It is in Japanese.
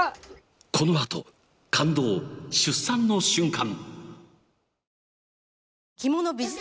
このあと感動出産の瞬間。